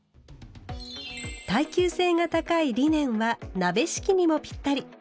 耐久性が高いリネンは「鍋敷き」にもぴったり。